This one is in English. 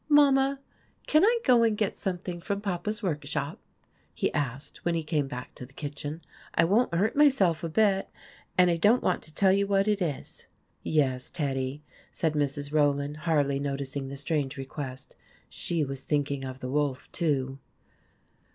"Mama, can I go and get something from Papa's workshop?" he asked, when he came back to the kitchen. " I won't hurt myself a bit ; and I don't want to tell you what it is !"" Yes, Teddy," said Mrs. Rowland, hardly noticing the strange request, she was thinking of the wolf, too